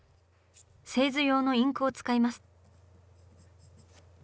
製図用のインクを使います。